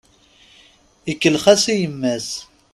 Ikellex-as i yemma-s.